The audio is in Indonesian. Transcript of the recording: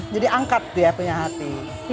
jadi angkat dia punya hati